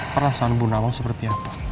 perasaan ibu nawang seperti apa